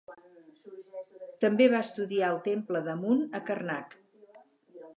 També va estudiar el temple d'Amun a Karnak.